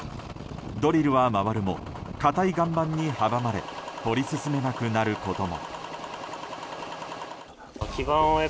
ドリルは回るも硬い岩盤に阻まれ掘り進めなくなることも。